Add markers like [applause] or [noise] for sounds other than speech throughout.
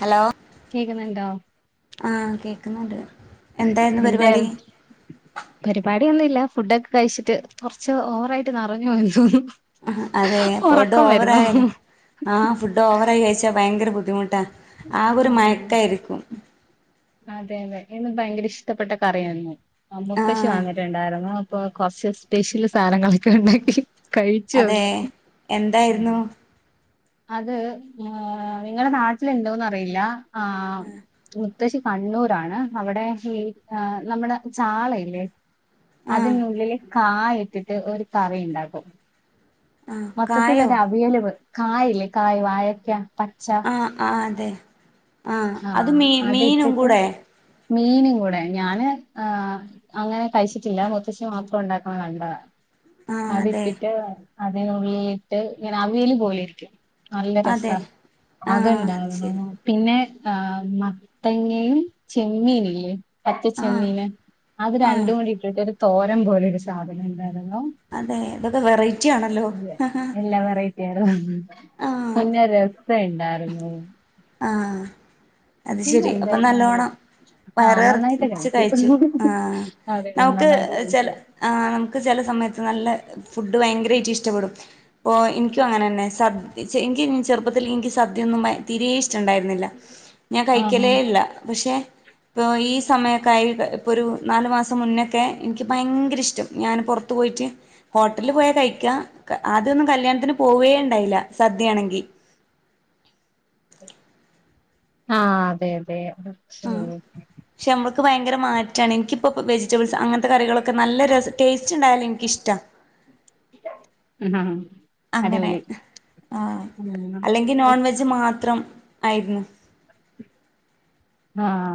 Hello കേക്കുന്നുണ്ടോ ആ കേക്കുന്നുണ്ട് എന്തായിരുന്നു എന്ത പരിപാടി കരി പാ [unintelligible] അിയൊന്നും ഇല്ല ഫുഡൊക്കെ കഴിച്ചിട്ട് കുറച്ച് ഓവറായിട്ട് നിറഞ്ഞു എ തോന്നുന്നു. അതെ ഫുഡ് ഉറക്കം വരുന്നു ഓവറായാലും ആഹ് ഫുഡ് ഓവറായി കഴിച്ചാ ഭയങ്കര ബുദ്ധിമുട്ടാ ആകെ ഒരു ഉം മയക്കായിരിക്കും അതെ അതെ ഇന്ന് ഭയങ്കര ഇഷ്ടപ്പെട്ട കറിയന്ന് മുത്തശ്ശി ആഹ് വാന്നിട്ടുണ്ടായിരുന്നു ഇപ്പ കുറച്ച് സ്പെഷ്യല് സാധനങ്ങളൊക്കെ ഉണ്ടാക്കി അതെ കഴിച്ചോങ്‌ എന്തായിരുന്നു അത് നിങ്ങടെ നാട്ടിലുണ്ടോന്ന് അറിയില്ല ആഹ് ത്തശ്ശി കണ്ണൂരാണ് അവിടെ ഈ നമ്മുടെ ചാളയില്ലേ ആഹ് അതിനുള്ളില് കായ ഇട്ടിട്ട് ഒരു കറിണ്ടാക്കും ആഹ് കായോ മൊത്തത്തിലൊരു അവിയലവ് കായല്ലേ കായ് വായക്കാ ആഹ് ആഹ് അതെ ആഹ് അത് മീ മീനും കൂടെ മീനും കൂടെ ഞാന് എഹ് അങ്ങനെ കഴിച്ചിട്ടില്ല മുത്തശ്ശി മാത്രം ഉണ്ടാക്കണ കണ്ടത ആഹ് അതെ അത്ട്ടിട്ട് അതിനുള്ളിൽട്ട് ഇങ്ങനെ അവിയല് പോലെ ഇരിക്കും നല്ല രസ അതെ ആഹ് അത് അത്ണ്ടാവുന്നു ശരി പിന്നെ ആഹ് മത്തങ്ങയും ചെമ്മീനല്ലേ ആഹ് പച്ചച്ചെമ്മീന് അത് ആഹ് രണ്ടും കൂടി ഇട്ടിട്ട് ഒരു തോരം പോലെ ഒരു സാധനം ഉണ്ടായിരുന്നു അതെ ഇതൊക്കെ വെറൈറ്റി ആണല്ലോ വേറെ ഒന്നുമില്ല നല്ല രസായിട്ടുണ്ടാരുന്നു ആഹ അത് ശരി അപ്പൊ എന്തായിരുന്നു അതില് നല്ലവണം ആഹ് വയറ് നന്നായിട്ട് നെറച്ച് കഴിച്ചു ആ അതെ നമക്ക് നന്നായിട്ട് ചെല കഴിച്ചു ആ നമുക്ക് ചെല സമയത്ത് നല്ല ഫുഡ് ഭയങ്കരമായിട്ട് ഇഷ്ടപ്പെടും. അപ്പോ എനിക്കും. അങ്ങനെ തന്നെ സ എനിക്ക് ചെറുപ്പത്തിൽ എനിക്ക് സദ്യ [inaudible] തീരെേ ഇഷ്ട ഇണ്ടായിരുന്നില്ല. ഞാൻ ആഹാ കഴിക്കലേ ഇല്ല. പക്ഷെ ഇപ്പോ ഈ സമയക്കായി ഇപ്പോ ഒരു ന മാസംമുന്നേ ഒക്കെ എനിക്ക് ഭയര ഇഷ്ടം. ഞന് പുറത്ത് പോയിട്ട് ഹോട്ടലിൽ പോയാൽ കഴിക്കാം. ആദ്യമൊന്നും. കല്യാണത്തിന് പോവുകേ ഉണ്ടായില്ല. സദ്യയാണെകിൽ. വി [inaudible] ആഹ അതെ അതെ ശരി എനിക്ക് ഭയങ്കര മാറ്റമാണ് എനിക്കിപ്പോൾ വെജിറ്റബിൾസ് അങ്ങനത്തെ കറികളൊക്കെ നല്ല രസ ടേസ്റ്റ് ഉണ്ടായാലും എനിക്കിഷ്ടമാണ് ആഹ അങ്ങനെ ആ ഉം അല്ലെങ്കിൽ നോൺ വെജ് മാത്രം ആയിരുന്നു ആഹ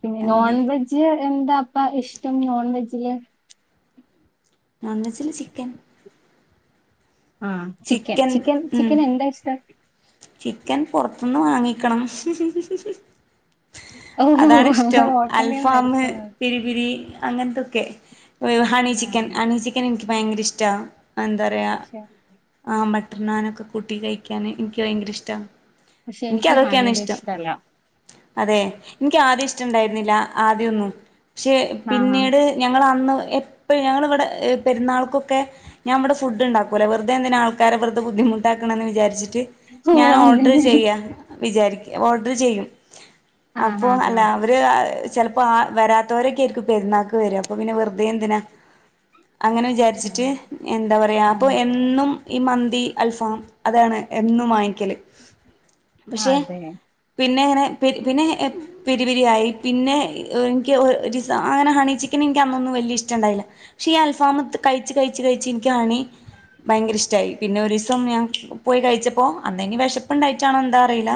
പിന്നെ അങ്ങനെയൊക്കെ നോൺവെജ്. എന്താ അപ്പം ഇഷ്ടം നോൺ വെജില് നോൺവെജില് ചിക്കൻ ആഹ ചിക്കൻ ചിക്കൻ ചിക്കൻ എന്താ ഇഷ്ടം ചിക്കൻ പുറത്തുന്നു വാങ്ങിക്കണം ഓഹ് അതാണ് ഇഷ്ടം ഹോട്ടലിന്ന് അൽഫാം വരുത്തുന്നത് പിരി പിരി അങ്ങനത്തൊക്കെ ഹണി ആ ചിക്കൻ ഹണി ചിക്കൻ എനിക്ക് ഭയങ്കര ഇഷ്ട്ട എന്താ പറയാ പക്ഷെ ആ മട്ടർ നാനൊക്കെ കൂട്ടി കഴിക്കാന് എനിക്ക് ഭയങ്കര ഇഷ്ട. പക്ഷെ എനിക്ക് ഹാണിയുടെ ഇഷ്ടല്ല അതെ എനിക്ക് ആദ്യം ഇഷ്ടംണ്ടായിരുന്നില്ല ആദ്യൊന്നും പക്ഷേ ആഹാ പിന്നീട് ഞങ്ങൾ അന്ന് എപ്പോഴും ഞങ്ങളിവിടെ പെരുന്നാൾക്കൊക്കെ ഞാൻ ഇവിടെ ഫുഡ് ഉണ്ടാക്കൂലേ വെറുതെ എന്തിനാ ആൾക്കാരെ വെറുതെ ബുദ്ധിമുട്ടാക്ക അങ്ങനെ വിചാരിച്ചോട് ഓഹ് ഞാൻ ഓഡർ അങ്ങനെ ചെയ്യ വിചാരിക്കും ഓഡർ ചെയ്യും. ആഹ് അപ്പൊ ആഹ് അല്ല അവര് ചിലപ്പോ ആ വരാത്തവരൊക്കൊയിരിക്കും പെരുന്നാക്ക് വര അപ്പൊ പിന്നെ വെറുതെ എന്തിനാ അങ്ങനെ ആഹ് വിചാരിച്ചിട്ട് എന്താ പറയാ അപ്പൊ ആഹ് എന്നും ഈ മന്തി അൽഫം അതാണ് എപ് വങ്ങികല് പക്ഷെ അതെ പിന്നെ അങ്ങനെ പിന്നെ പിന്നെ പെരിപെരിയായി ആയി പിന്നെ. എനിക്ക് അങ്ങനെ ഹണി ചിക്കൻ എനിക്ക് അന്നൊന്നും വലിയ ഇഷ്ടണ്ടായില്ല പക്ഷെ ഈ അൽ ഫാമത്ത് കഴിച്ചച്ച് കഴച്ച് കഴിച്ചച്ച് എനിക്ക് ഹണി ഭയങ്കര ഇഷ്ടമായി പിന്നെ ഒരു ദിവസം ഞാൻ പോയി കഴിച്ച അപ്പ അന്തെങ്കി വിശപ്പ ഇണ്ടായിട്ടാണോ എന്താ അറിയില്ല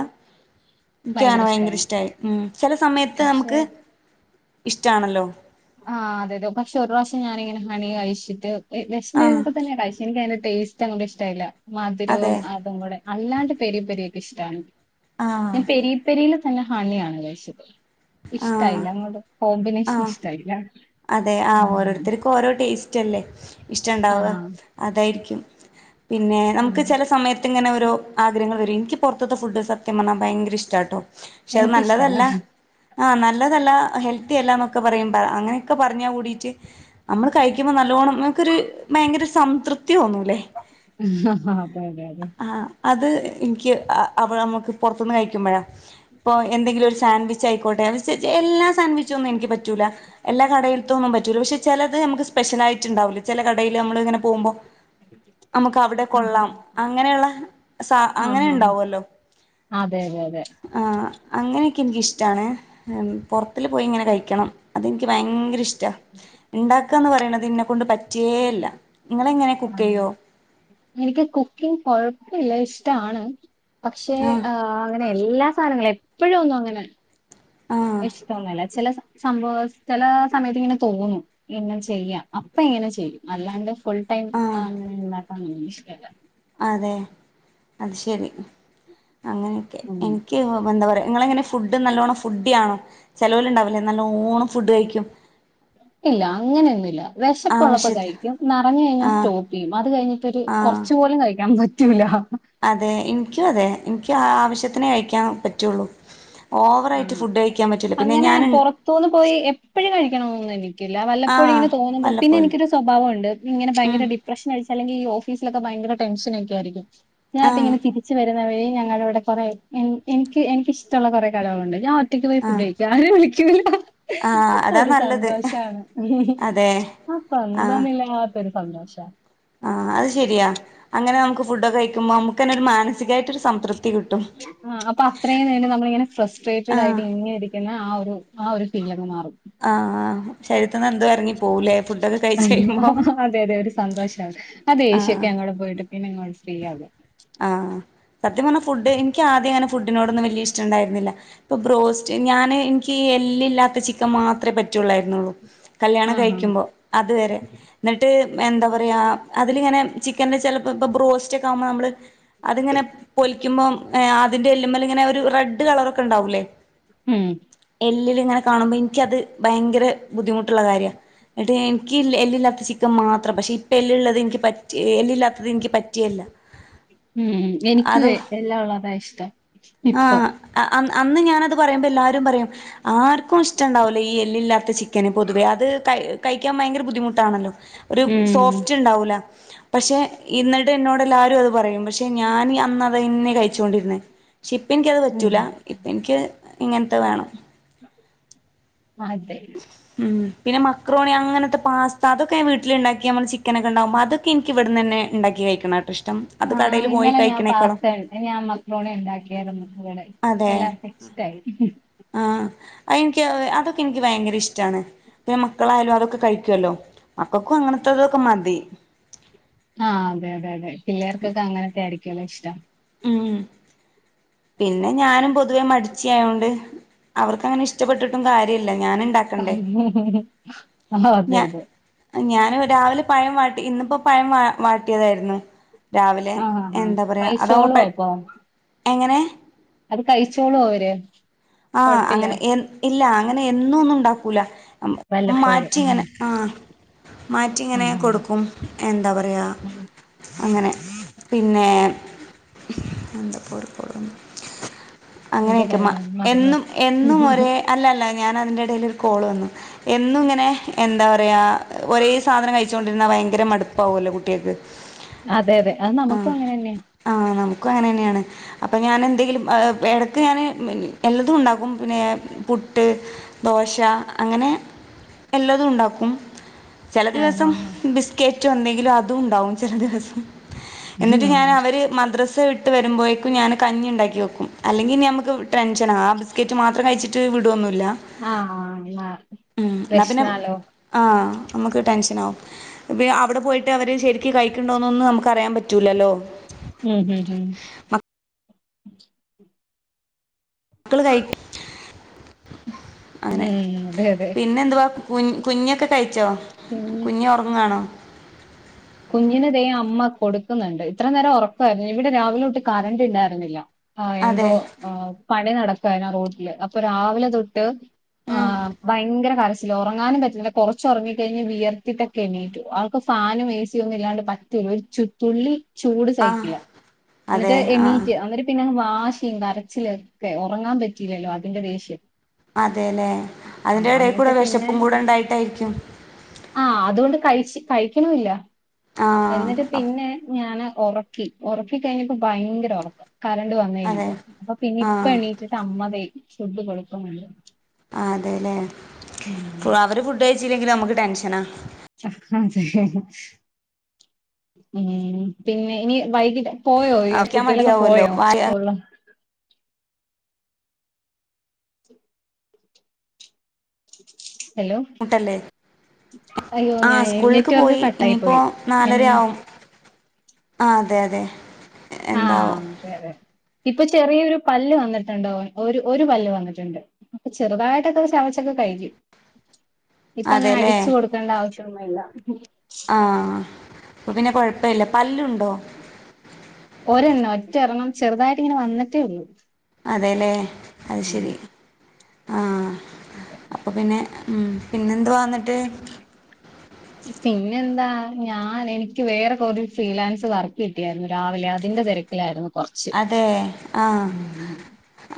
എനിക്കാണ് ഭയങ്കര ഇഷ്ടായി ഉം ചില സമയത്ത് പക്ഷെ നമുക്ക് ഇഷ്ടമാണല്ലോ ആഹ് അതെതെ പക്ഷെ ഒരു പ്രാവിശ്യം ഞാനിങ്ങനെ ഹണി കഴിച്ചിട്ട് ആഹ് വിശന്നുരുന്നപ്പോൾ തന്നെയാ കഴിച്ചേ എനക്ക് അതിന്റെ ടേസ്റ്റ് അങ്ങോട്ടും ഇഷ്ടമല്ല അതെ മധുരവും അതും കൂടെ അല്ലാണ്ട് പരി പെരിയൊക്കെ ഇഷ്ടമാണ്. ആഹ് ഞാൻ പെരി പെരിൽ തന്നെ ഹണിയാണ് കഴിച്ചത് ആഹ് ഇഷ്ടായില്ല അങ്ങോട്ട് [unintelligible] കൊമ്പിനേഷൻ ആഹ് ഇഷ്ട്ട അതെ ആഹ ആഹ് പിന്നെ നമുക്ക് ആഹ് ചിലസമയത് ഇങ്ങനെ ഒരു ഓ ആഗ്രഹങ്ങൾ വരും എനിക്ക് പുറത്തത്തെ ഫുഡ് സത്യം പറാഞാൽ ഭയങ്കര ഇഷ്ടാട്ടോ എനിക്കിഷ്ടണ് ആഹ നല്ലതല്ല ഹെൽത്തി അല്ല എന്നൊക്കെ പറയട അങ്ങനെ ക്കെ പറഞ്ഞ കൂടിട്ട് നമ്മള് കഴിക്കുമ്പോ നല്ലോണം നമ്മുക്കൊരു ഭയങ്കര സംതൃപ്തി തൃപ്തി തോന്നുലെ അതെ അതെ അതെ ആ അത് എനിക്ക് നമുക്ക് പുറത്തുന്ന് കഴിക്കുമ്പോഴാ ഇപ്പൊ എന്തെങ്കിലും ഒരു സാൻഡ്വിച്ച് ആയിക്കോട്ടെന്ന്. എല്ലാ സാൻവിച്ച് ഒന്നും എനിക്ക് പറ്റൂല എ എല്ലാ കടയിത്തെ ഒന്ന് പറ്റൂല പക്ഷെ ചിലത് നമുക്ക് സ്പെഷ്യലായിട്ട് ഉണ്ടാവില്ല ചില കടയിൽ നമ്മൾ ഇങ്ങനെ പോകുബോ നമുക്ക് അവിടെ ആഹ് കൊള്ളാം അങ്ങനെയുള്ള സാ അങ്ങനെ ആഹ് ഉണ്ടാവോല്ലോ അതെ അതെ അതെ ആഹ് അങ്ങനെ തെ നിക്കിഷ്ടാണ്, പുറത്തില് പോയി ങ്ങനെ കഴിക്കണം. അതെനിക്ക് ഭയങ്കര - ഇഷ്ട്ടാ ഉണ്ടാക്കാന്ന് പറയണത് എന്നെ കൊണ്ട് പറ്റിയേല്ല എനിക്ക് കുക്കിങ്ങ് കൊഴപ്പില്ല ഇഷ്ടാണ്. പക്ഷേ ആഹ് ആ അങ്ങനെ എല്ലാ സാധനങ്ങളും എപ്പോഴും ഒന്നും അങ്ങനെ ആഹ് ഇഷ്ടാ ഒന്നും അല്ല ചില സംഭവ ചെല സമയത്ത് ഇങ്ങനെ തോന്നും ഇങ്ങനെ ചെയ്യാം അപ്പൊ ഇങ്ങനെ ചെയ്യും അല്ലാണ്ട് ഫുൾ ടൈം ആഹ് അങ്ങനെ ഒന്നും ഇണ്ടാക്കാൻ എനിക്ക് ഇഷ്ട്ടെ അല്ല. അതെ അത് ശരി അങ്ങനെയൊക്കെ ഉം എനിക്ക് എന്താ പറയുക നിങ്ങളെങ്ങനെ ഫുഡ് നല്ലോണ്ണം ഫുഡിയണോ ചേലോല് ണ്ടാവില്ലേ നല്ലോണ്ണം ഫുഡ് കഴിക്കും. ഇല്ല അങ്ങനെന്നുല്ല. വിശപ്പുള്ളപ്പോ ആവശ്യത്തിന് കഴിക്കും, നിറഞ്ഞ് കഴിഞ്ഞാൽ ആഹ് സ്റ്റോപ്പ് ചെയ്യും, അത് കഴിഞ്ഞിട്ടൊരു ആഹ് കുറച്ചുപോലും കഴിക്കാൻ പറ്റൂ റ്റുല്ല അതെ എനിക്കും അതെ എനിക്ക് ആവശ്യത്തിനെ കഴിക്കാൻ പറ്റുള്ളു. ഓവറായിട്ട് ആഹ് ഫുഡ് കഴിക്കാൻ പറ്റു. അങ്ങനെ പുറത്തുന്ന് പോയി എപ്പഴും കഴിക്കണന്നും എനിക്കില്ല വല്ലപ്പോഴും ആഹ് ഇങ്ങനെ തോന്നുമ്പോ പിന്നെ വല്ലപ്പോഴും എനിക്കൊരു സ്വഭാവോണ്ട് പിന്നെങ്ങനെ ഉം ഭയങ്കര ഡിപ്രഷനടിച്ച്. അല്ലെങ്കിൽ ഈ ഓഫീസിലൊക്കെ ഭയങ്കര ടെഷനൊക്കെ ആയിരിക്കും, ഞാനിപ്പോ ആഹ് ഇങ്ങനെ തിരിച്ച് വര- വേ ഞങ്ങളുടെ ഇവിടെ കുറെ എനിക്ക് എനിക്ക് ഇഷ്ടമുള്ള കുറെ കടകളുണ്ട് ഞാൻ ഒറ്റക്ക് പോയി ഫുഡ് ആഹ് കഴിക്കും ആരെയും വിളിക്കില്ലോ ആഹ് അപ്പൊ അതാ ഒരു നല്ലത് സന്തോഷാണ്. അതെ അപ്പൊ എന്തോന്നില്ല. ഒരു സന്തോഷ ആ അത് ശരിയാ അങ്ങനെ നമുക്ക് ഫുഡക്കെ കഴിക്കുമ്പോ നമുക്കന്നെരു മാനസികായിട്ടൊരു സംതൃപ്തി കിട്ടും ആ അപ്പൊ അത്രയും നേരം നമ്മളി ഇങ്ങനെ ഫ്രസ്ട്രേറ്റഡ ആയിട്ട് ആഹ് ഇങ്ങനെ ഇരിക്കുന്ന ആ ഒരു ആ ഒരു പിന്നങ്ങ് മാറും ആഹ് ആ ശരീര്ത്ത്ന്ന് എന്തോ ഇറങ്ങി. അതെ അതെ ഒരു സന്തോഷാണ് ആ ദേഷ്യക്കെ ആഹ് അങ്ങോട്ട് പോയിട്ട് പിന്നെങ്ങോട്ട് ഫ്രീ ആകും ആഹ് സത്യം പറഞ്ഞൽ ഫുഡ് എനിക്ക് ആദ്യം അങ്ങനെ ഫുഡിനോടന്നും വലിയ ഇഷ്ടണ്ടായിരുന്നില്ല ഇപ്പാ ബ്രോസ്റ്റ് ഞാന് എനിക്ക് എ- എല്ലില്ലാത്ത ചിക്കൻ മാത്രമേ പറ്റുള്ളായിരുന്നുള്ളൂ. കല്യാണം ആഹാ. കഴിക്കുമ്പോൾ അതുവരെ എന്നിട്ട് എന്താ പറയാ അതിലിങ്ങനെ ചിക്കന്റെ ചെല- അപ്പൊ ബ്രോസ്റ്റ് ഒക്കെ ആവുമ്പോ നമ്മള് അതിങ്ങനെ പോളി. കഴിക്കുമ്പം എഹ് അതിന്റെ എല്ലുമലിങ്ങനെ ഒരു റെഡ് കളറൊക്കെ ണ്ടാവൂല്ലേ. ഉം എല്ലിൽ ഇങ്ങനെ കാണുമ്പ എനിക്കത് ഭയങ്കര ബുദ്ധിമുട്ടുള്ള കാര്യഎന്ന്ട്ട് എനിക്കി എല്ലില്ല. ല്ലില്ലാത്ത ചിക്കൻ മാത്രം പക്ഷെ ഇപ്പ എല്ലിള്ളത് എനിക്ക് പറ്റെ എല്ലില്ലാത്തത് എനിക്ക് പറ്റെ യില്ല ഉം എനിക്കും എല്ലാം ഉള്ളതാ ഇഷ്ടം ഇപ്പം. ആഹ് അ അന്ന് ഞാനത് പറയുമ്പോ എല്ലാരുത് പറയും ആർക്കും ഇഷ്ടണ്ടാവൂല്ല ഈ എല്ലില്ലാത്ത ചിക്കാൻ. നിക്കണേ പൊതുവെ അത് കഴി കഴിക്കാൻ ഭയങ്കര ബുദ്ധിമുട്ടാണല്ലോ ഒരു ഉം. സോഫ്റ്റ് ഉണ്ടാവൂല. പക്ഷെ ഇന്നിട്ട് എന്നോട് എല്ലാരും അത് പറയും പക്ഷെ ഞാന് അന്നതന്നെ കഴിച്ചോണ്ടിരുന്നേ. ഇപ്പ എനിക്കത് ഉം. പറ്റൂല ഇപ്പ എനിക്ക് ഇങ്ങനത്തെ വേണം അതെ. ഉം പിന്നെ മക്ക്രോണി അങ്ങനത്തെ പാസ്സ്ത അതൊക്കൊ ഞാൻ വീട്ടിലണ്ടാക്കി നമ്മള് ചിക്കന് ഒക്കെണ്ടാവുമ്പ അത്. എനിക്കിവിടെന്നന്നെ ഇണ്ടാക്കി കഴിക്കുന്നഷ്ടം. ആ ഇന്നലെ ഞാൻ പാസ്ത ഉണ്ട് ഞാൻ മക്ക്രോണി ഉണ്ടാക്കിയായിരുന്നു ഇടെ അതെ എല്ലാർക്കും ഇഷ്ട്ടായി അയ്യി നിക്ക് അതൊക്കെ എനിക്ക് ഭയങ്കര ഇഷ്ടമാണ്. പിന്നെ മക്കളായാലും അതൊക്കെ കഴിക്കോല്ലോ മക്കൾക്കും അങ്ങന്നെ ഇപ്പ ഇതൊക്കെ മതി ആഹ് അതെ അതെ അതെ പിള്ളേർക്കൊക്കെ അങ്ങനൊക്കെ ആയിരിക്കുല്ലോ ഇഷ്ടം ഉം പിന്നെ ഞാനും പൊതുവേ മടിച്ചി ആയൊണ്ട് അവർക്ക്ങ്ങനെ ഇഷ്ടപപ്പെട്ടിട്ടും കാര്യ ല്ല ഞാൻ ണ്ടാക്കണ്ടേ ആഹ് അതെ, ഞാ അതെ. ഞാന് രാവിലെ പഴം വാട്ടി ഇന്നിപ്പോ പഴം വ വാട്ടിയതായിരുന്നു രാവിലെ ആഹ് ആഹ്. എന്താ പറയാ അതാവുമ്പോ കഴിച്ചോളോ പെ അപ്പൊ? എങ്ങനെ അത് കഴിച്ചോളോ അവര്? ആഹ് കൊഴപ്പില്ല. അങ്ങനെ എഹ് ഇല്ല അങ്ങനെ എന്നും ഒന്നും ഉണ്ടാക്കൂല വല്ലപ്പോഴും. മാറ്റി ഇങ്ങനെ ഉം. ആഹ് മാറ്റി ഇങ്ങനെ കൊടുക്കും എന്താ പറയാ ആഹ്. അങ്ങനെ പിന്നെ എന്താ അങ്ങനെയൊക്കെ പറയാൻ മറന്ന് എന്നും എന്നും ഒരേ അല്ലല്ല ഞാൻ അതിന്റെ എടയിൽ ഒരു കോൾ വന്നു എന്നും ഇങ്ങനെ എന്താ പറയാ ഒരേ സാധനം കഴിച്ചോണ്ടിരുന്ന- ഭയങ്കര മടുപ്പാവുമല്ലോ കുട്ടികൾക്ക് അതെ അതെ അത് നമുക്കും അങ്ങനെ തന്നെയാ ക്കും അങ്ങനെെയാണ് അപ്പോ ഞാന്- എന്തെങ്കിലും ഇടയ്ക്ക് ഞാന് എല്ലതും ഉണ്ടാക്കും പിന്നെ പുട്ട് ദോശ- അങ്ങനെ എല്ലതും ഉണ്ടാക്കും ചെല ആഹ് ദിവസം ആഹ് ബിസ്കറ്റോ എന്തെങ്കിലും അതും ഉണ്ടാവും ചില ദിവസം എന്നിട്ട് ഞാന് ആഹ് അവര് മദ്രസ വിട്ട- വിട്ട് വരുമ്പോത്തേക്കും ഞാന് കഞ്ഞിണ്ടാക്കി വെക്കും അല്ലെങ്കിൽ നമുക്ക്- ടെൻഷനാ ആ ബിസ്കറ്റ് മാത്രം കഴിച്ചിട്ട് വിടൊന്നുവില്ല ആഹ് ആഹ് ഉം എന്നാ പിന്നെ വെശ്നാലോ ആ നമ്മുക്ക് ടെൻഷൻ ആവും പിന്നെ അവിടെ പോയിട്ട് അവര് ശരിക്ക് കഴിക്കുന്നുണ്ടോന്നൊന്നും നമുക്ക് അറിയാൻ പറ്റില്ലല്ലോ ഉം ഉം ഉം മക്കള് കഴി - ഉം അതെ അതെ പിന്നെ എന്തുവാ കു കുഞ്ഞൊക്കെ കഴിച്ചോ കുഞ്ഞ് ഒറങ്ങാണോ കുഞ്ഞിനെ ദേ അമ്മ കൊടുക്കുന്നുണ്ട് ഇത്ര നേരം ഒ ഒറക്കാരുന്നു ഇവിടെ രാവിലെ തൊട്ട് കറണ്ട് ഉണ്ടായിരുന്നില്ല ആ എന്തോ അതെ ആ പണി നടക്കുവായിരുന്നു ആ റോഡില് അപ്പൊ രാവിലെ തൊട്ട്, - ആ ഉം ഭയങ്കര കരച്ചി- ലും ഒറങ്ങാനും പറ്റില്ല കൊറച്ച് ഒറങ്ങി കഴിഞ്ഞ് വിയർത്തിട്ടൊക്ക എണീറ്റു ആൾക്ക് ഫാനും ഏസി- ഒന്നും ഇല്ലാണ്ട് പറ്റൂല്ല ഒരു ചു തുള്ളി ചൂട് ആ സഹിക്കില്ല എന്നിട്ട് അതെ ആ എണ്ണീറ്റ് എന്നിട്ട് പിന്നെങ്ങ് വാ വാശിം കരച്ചിലും ഒക്കെ ഉറങ്ങാൻ പറ്റിയില്ലല്ലോ അതിന്റെ ദേഷ്യം അതെല്ലെ അതിന്റെ ആഹ് ഇടെൽ എന്നിട്ട് കൂടെ പിന്നെ വിശപ്പും കൂടെ ഉണ്ടായിട്ടായിരിക്കും ആ അതുകൊണ്ട് കഴിച്ച് കഴിക്കണൂല്ല ആ എന്നിട്ട് അപ്- പിന്നെ ഞാന് ഉറക്കി ഉറക്കി കഴിഞ്ഞപ്പോ ഭയങ്കര ഉറക്കം കറണ്ട് വന്നു അതെ കഴഞ്ഞപ്പോ അപ്പൊ പിന്നെ ആ ഇപ്പ എണീറ്റിട്ട് അമ്മ ദെ ഫുഡ് കൊടുക്കുണുണ്ട് അതെല്ലെ അവര് ഫുഡ് കഴിച്ചില്ലെങ്കിൽ നമുക്ക് ടെൻഷനാ പിന്നെ ഇനി വൈകിട്ട് പോയോ കഴിക്കാൻ കുട്ടികളൊക്കെ മടിയാവുമല്ലോ പോയോ വായ സ്കൂളില് ഹലോ മുട്ടല്ലേ അയ്യോ ആ ഞാൻ സ്കൂളിലേക്ക് നെറ്റ്വർക്ക് പോയി കട്ടായി ഇനിയിപ്പോ പോയി എൻ നാലരയാവും ആ അതെ അതെ എന്താ ആഹ് അതെ അതെ ഇപ്പൊ ചെറിയൊരു പല്ല് വന്നിട്ടുണ്ടോ ഒരു ഒരു പല്ല് വന്നിട്ടുണ്ട് അപ്പൊ ചെറുതായിട്ടൊക്കെ ഒന്ന് ചവച്ച് കഴിക്കും ഇപ്പ അങ്ങനെ അതെല്ലേ അടിച്ചു കൊടുക്കേണ്ട ആവശ്യൊമൊന്നും ഇല്ല ആ അപ്പൊ പിന്നെ കുഴപ്പില്ല പല്ലുണ്ടോ ഒരെണ്ണം ഒറ്റ എറണ്ണം ചെറുതായിട്ട് ഇങ്ങനെ വന്നിട്ടേ ഉള്ളൂ അതെല്ലേ അത് ഉം ശരി ആ. അതെ. ഉം പിന്നെന്ത് വന്നിട്ട്? പിന്നെന്താ ഞാൻ എനിക്ക് വേറെ കുറ ഫ്രീലാൻസ് വർക്ക് കിട്ടിയായിരുന്നു രാവിലെ അതിന്റെ തിരക്കിലായിരുന്നു. കുറച്ച് അതെ ആ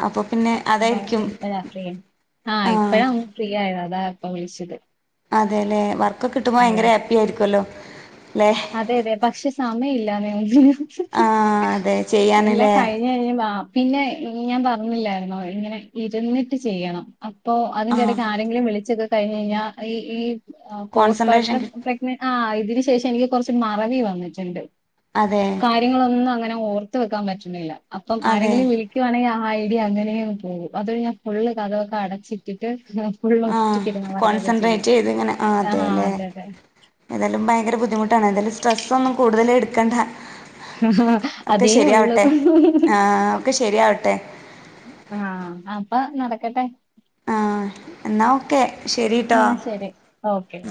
അപ്പൊ പിന്നെ അപ്പ അതായിരിക്കും ഇപ്പഴാ ഫ്രീ ആഹ് ഇപ്പഴാ ഒന്ന് ഫ്രീ ആയിരുന്നു അതാ ഇപ്പ വിളിച്ചത്. അതെ അല്ലെ വർക്കൊക്കെ കിട്ടുമ്പോ ഭയങ്കര ഹാപ്പി ആയിരിക്കുമല്ലോ. അതെ അതെ പക്ഷെ സമയില്ല ആഹ് അതെ എല്ലാം ചെയ്യാന്ല്ലേ കഴിഞ്ഞഞ് പിന്നെ ഞാൻ പറഞ്ഞില്ലായിരുന്നോ ഇങ്ങനെ ഇരുന്നിട്ട് ചെയ്യണം. അപ്പോ അതിന്റെ ആഹ് ഇടയ്ക്ക് ആരെങ്കിലും വിളിച്ചൊക്കെ കഴിഞ്ഞ് കഴിഞ്ഞാൽ ഈ ഈ കോൺസെൻട്രേഷൻ പോസ്റ്റുപാർട്ട് കി പ്രഗ്ന ആ ഇതിന് ശേഷം എനിക്ക് കുറച്ച് മറവി വന്നിട്ടുണ്ട്. അതെ കാര്യങ്ങളൊന്നും അങ്ങനെ ഓർത്ത് വെക്കാൻ പറ്റുന്നില്ല അപ്പം അതെ ആരെങ്കിലും വിളിക്കുവാണെങ്കിൽ ഐഡിയ അങ്ങനെയ പോകും അതൊ ഞാൻ ഫുള് കഥകൊക്കെ അടച്ചിട്ടിട്ട് ഫുള്ള് ആഹ് ഒറ്റിക്കിരുന്ന വർക്കൊക്കെ ചെയ്യ കോൺസെൻട്രേറ്റ് ചെയ്ത് ആ ആ അതെ അതെ. എന്തായാലും ഭയങ്കര ബുദ്ധിമുട്ടാണ് എന്തായാലും സ്ട്രെസ് ഒന്നും കൂടുതൽ എടുക്കണ്ട. ഒക്കെ അതേ ഉള്ളൂ ശെരിയാവട്ടെ ആ ഒക്കെ ശെരിയാവട്ടെ. ആ അപ്പൊ നടക്കട്ടെ. ആ എന്നാ ഓക്കെ ശരിട്ടോ. എന്നാ ശരി ഓക്കെ